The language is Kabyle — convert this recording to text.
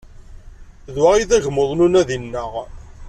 D wa ay d agmuḍ n unadi-nneɣ.